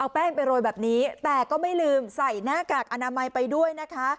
แป้งไปโรยแบบนี้แต่ก็ไม่ลืมใส่หน้ากากอนามัยไปด้วยนะคะ